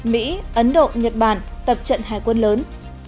mỹ ấn độ nhật bản tập trận hải quân lớn